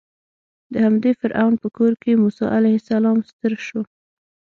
د همدې فرعون په کور کې موسی علیه السلام ستر شو.